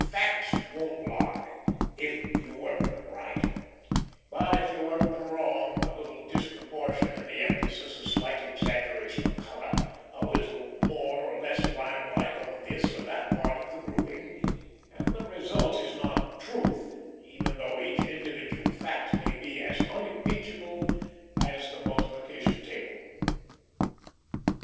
Facts won't lie, if you work them right; but if you work them wrong, a little disproportion in the emphasis, a slight exaggeration of color, a little more or less limelight on this or that part of the grouping, and the result is not truth, even though each individual fact be as unimpeachable as the multiplication table.